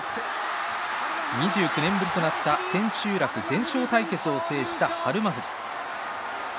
２９年ぶりとなった千秋楽全勝対決を制した日馬富士。